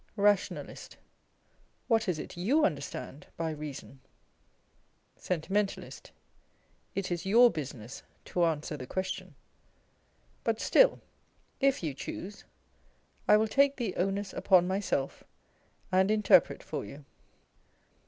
Rationalist. What is it you understand by Eeason ? Sentimentalist. It is your business to answer the question ; but still, if you choose', I will take' the onus upon myself, and interpret for you.